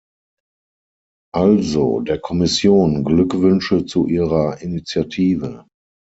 Also, der Kommission Glückwünsche zu ihrer Initiative.